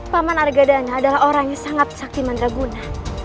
paman argadana adalah orang yang sangat sakti meneraguna